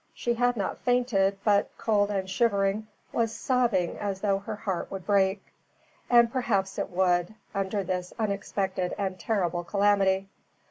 She had not fainted, but, cold and shivering, was sobbing as though her heart would break. And perhaps it would, under this unexpected and terrible calamity.